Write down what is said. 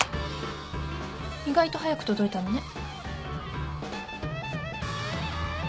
意外と早く届いたのね。